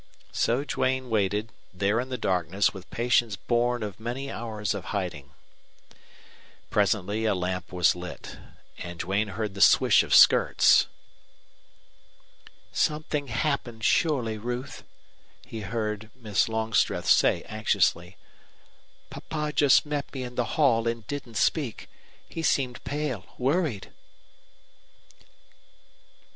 So Duane waited there in the darkness with patience born of many hours of hiding. Presently a lamp was lit; and Duane heard the swish of skirts. "Something's happened surely, Ruth," he heard Miss Longstreth say, anxiously. "Papa just met me in the hall and didn't speak. He seemed pale, worried."